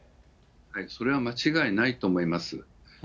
それは間違いないと思います。